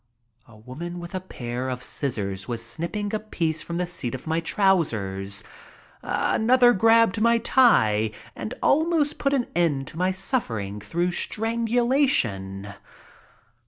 A woman with a pair of scissors was snipping a piece from the seat of my trousers. Another grabbed my tie and almost put an end to my suffering through strangulation.